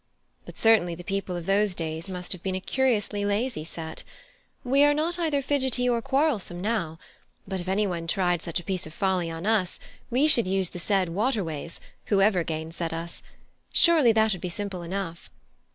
But certainly the people of those days must have been a curiously lazy set. We are not either fidgety or quarrelsome now, but if any one tried such a piece of folly on us, we should use the said waterways, whoever gainsaid us: surely that would be simple enough.